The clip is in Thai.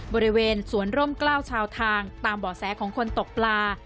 บริเวณสวนร่มกล้าวชาวทางตามบ่อแสของคนตกปลา